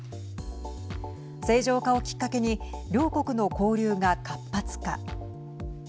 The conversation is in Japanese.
正常化をきっかけに両国の交流が活発化。